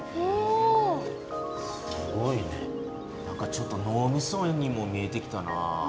なんかちょっとのうみそにも見えてきたな。